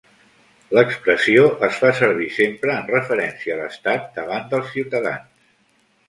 L'expressió es fa servir sempre en referència a l'Estat davant dels ciutadans.